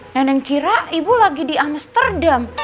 nenek kira ibu lagi di amsterdam